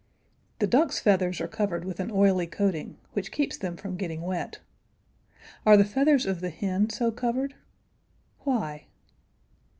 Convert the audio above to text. The duck's feathers are covered with an oily coating, which keeps them from getting wet. Are the feathers of the hen so covered? Why?